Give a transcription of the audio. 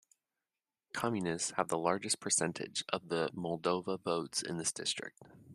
Communists have the largest percentage of the Moldova votes in this district.